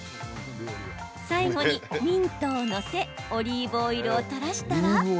最後に、ミントを載せオリーブオイルを垂らしたら。